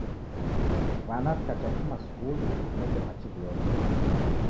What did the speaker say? W'ana wikacha kufuma skulu kuw'ineke machi wioghe.